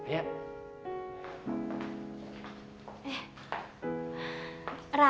jalur dulu bos